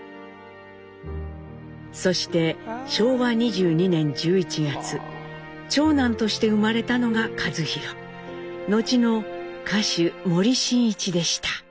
そして昭和２２年１１月長男として生まれたのが一寛後の歌手森進一でした。